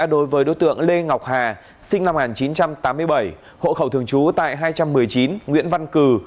đối với đối tượng lê ngọc hà sinh năm một nghìn chín trăm tám mươi bảy hộ khẩu thường trú tại hai trăm một mươi chín nguyễn văn cử